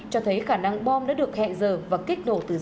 cho thấy khả năng bom đã được hẹn dở và kích nổ từ xa